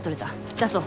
出そう。